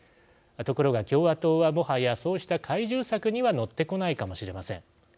ところが共和党はもはやそうした懐柔策にはのってこないかもしれません。